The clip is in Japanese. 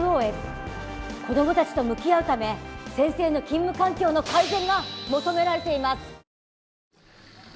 子どもたちと向き合うため先生の勤務環境の改善が求められています。